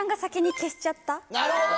なるほど！